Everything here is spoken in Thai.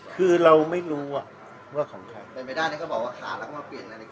คือเราไม่รู้ว่าว่าของใครไปไปด้านนี้ก็บอกว่าขาแล้วก็มาเปลี่ยนนาฬิกา